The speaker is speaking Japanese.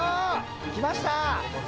来ました。